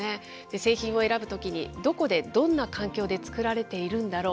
製品を選ぶときに、どこでどんな環境で作られているんだろう。